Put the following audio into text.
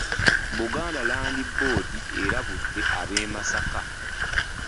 Buganda Land Board erabudde ab'e Masaka.